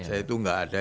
saya itu gak ada